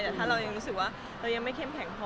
แต่ถ้าเรายังรู้สึกว่าเรายังไม่เข้มแข็งพอ